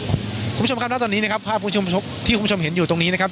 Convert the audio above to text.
คุณผู้ชมครับณตอนนี้นะครับภาพคุณผู้ชมที่คุณผู้ชมเห็นอยู่ตรงนี้นะครับ